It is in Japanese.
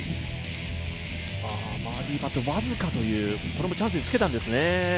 バーディーパット、僅かというこれもチャンスにつけたんですね。